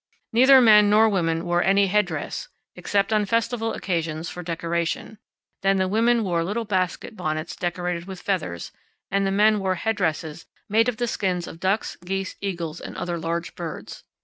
Neither men nor women wore any headdress except on festival occasions for decoration; then the women wore little basket bonnets decorated with feathers, and the men wore headdresses made of the skins of ducks, geese, eagles, and other large birds.